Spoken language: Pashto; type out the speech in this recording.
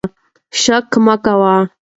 شک مه کوئ.